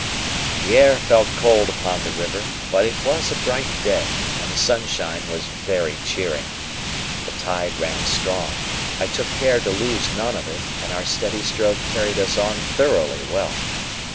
The air felt cold upon the river, but it was a bright day, and the sunshine was very cheering. The tide ran strong, I took care to lose none of it, and our steady stroke carried us on thoroughly well.